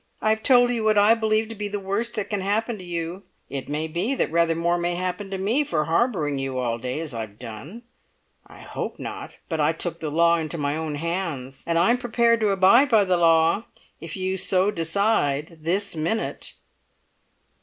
I have told you what I believe to be the worst that can happen to you; it may be that rather more may happen to me for harbouring you all day as I have done. I hope not, but I took the law into my own hands, and I I am prepared to abide by the law if you so decide this minute."